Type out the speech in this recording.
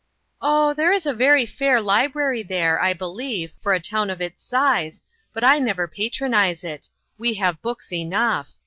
" Oh, there is a very fair library there, I believe, for a town of its size, but I never patronize it ; we have books enough.